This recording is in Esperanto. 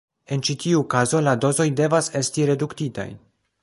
En ĉi tiu kazo, la dozoj devas esti reduktitaj.